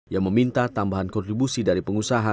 yang meminta tambahan kontribusi dari pengusaha